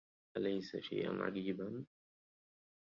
أليس شيئا عجيبا